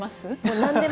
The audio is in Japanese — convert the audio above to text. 何でも。